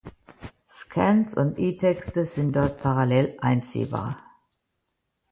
Scans und E-Texte sind dort parallel einsehbar.